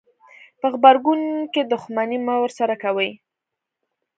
په غبرګون کې دښمني مه ورسره کوئ.